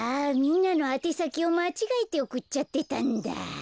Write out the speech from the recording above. みんなのあてさきをまちがえておくっちゃってたんだ。